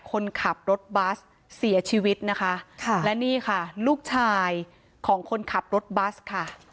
คนขับรถบัสเสียชีวิตนะคะค่ะและนี่ค่ะลูกชายของคนขับรถบัสค่ะ